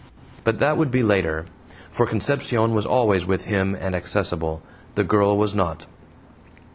But that would be later. For Concepcion was always with him and accessible; the girl was not.